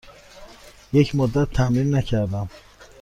یک مدت تمرین نکردم.